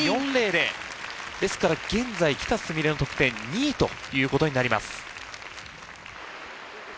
ですから現在喜田純鈴の得点２位という事になります。